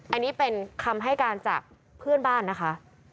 อันนี้เป็นคำให้การจากเพื่อนบ้านนะคะ